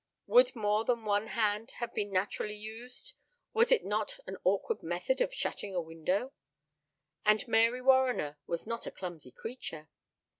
Would more than one hand have been naturally used? Was it not an awkward method of shutting a window? And Mary Warriner was not a clumsy creature.